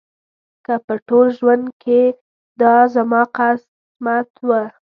که په ټول ژوند کې دا زما قسمت و.